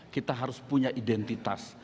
kita harus punya identitas